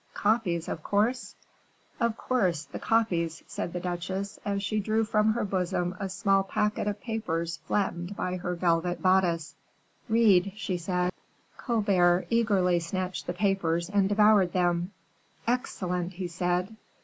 Copies, of course?" "Of course, the copies," said the duchesse, as she drew from her bosom a small packet of papers flattened by her velvet bodice. "Read," she said. Colbert eagerly snatched the papers and devoured them. "Excellent!" he said.